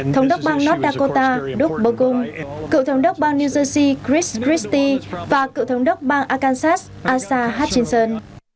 thống đốc bang north dakota doug burgum cựu thống đốc bang new jersey chris christie và cựu thống đốc bang arkansas asa hutchinson